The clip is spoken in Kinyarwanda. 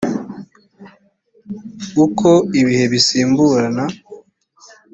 uko ibihe bisimburana